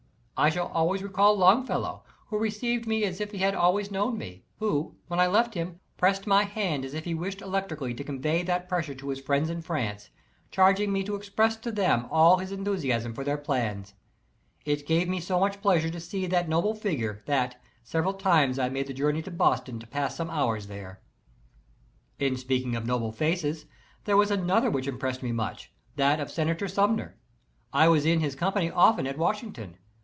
I shall always recall Longfellow, who received me as if he had always known me, who, when I left him, pressed my hand as if he wished electrically to convey that pressure to his friends in France, charging me to express to them all his enthusiasm for their plans. It gave me so much pleasure to see that noble figure, that several times I made the journey to Boston to pass some hours there. In speaking of noble faces, there was another which impressed me much, that of Senator Sumner. I was in his company often at Washington.